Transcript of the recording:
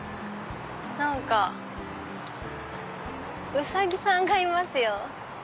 ウサギさんがいますよ。